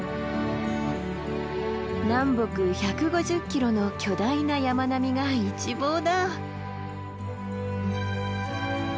南北１５０ｋｍの巨大な山並みが一望だ。